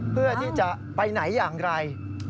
เพื่อที่จะไปไหนอย่างไร